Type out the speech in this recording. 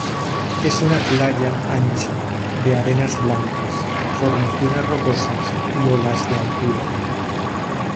Es una playa ancha, de arenas blancas, formaciones rocosas y olas de altura.